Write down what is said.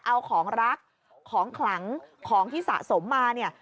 เอาของรักของขลังของที่สะสมมาเนี่ย